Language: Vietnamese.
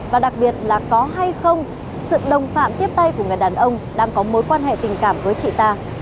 và đặc biệt là có hay không sự đồng phạm tiếp tay của người đàn ông đang có mối quan hệ tình cảm với chị ta